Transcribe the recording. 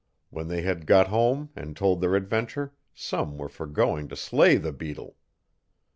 When they had got home and told their adventure, some were for going to slay the beetle.